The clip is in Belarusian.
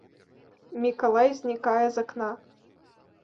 Мікалай знікае з акна.